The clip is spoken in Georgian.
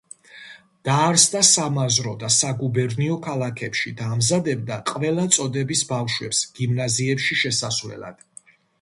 დაარსდა სამაზრო და საგუბერნიო ქალაქებში და ამზადებდა ყველა წოდების ბავშვებს გიმნაზიებში შესასვლელად.